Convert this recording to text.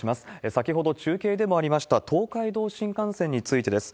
先ほど中継でもありました、東海道新幹線についてです。